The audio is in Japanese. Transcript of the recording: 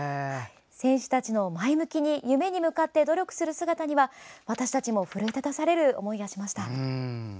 選手たちの、前向きに夢に向かって努力する姿には私たちも奮い立たされる思いがしました。